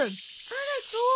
あらそう。